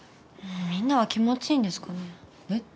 みんなは気持ちいいんですかね？